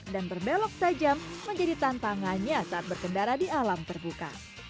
dan berbelok tajam menjadi tantangannya saat berkendara di alam terbuka